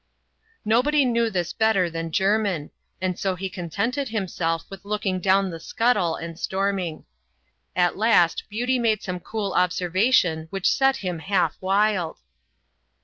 Nobody knew this better than Jermin, and so he contented himself with looking down the scuttle and storming. At last Beauty made some cool observation which set him half wild.